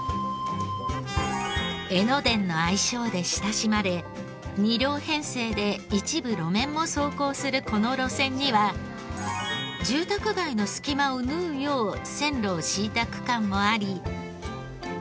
江ノ電の愛称で親しまれ２両編成で一部路面も走行するこの路線には住宅街の隙間を縫うよう線路を敷いた区間もあり。